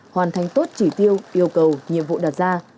hoàn thành tốt chỉ tiêu yêu cầu nhiệm vụ đặt ra